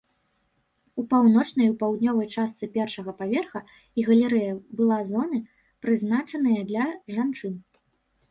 У паўночнай і паўднёвай частцы першага паверха і галерэі была зоны, прызначаныя для жанчын.